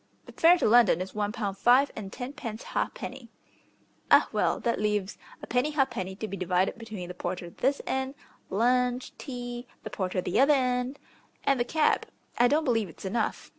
"The fare to London is one pound five and tenpence ha'penny." "Ah; well, that leaves a penny ha'penny to be divided between the porter this end, lunch, tea, the porter the other end, and the cab. I don't believe it's enough.